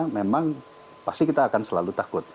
memang pasti kita akan selalu takut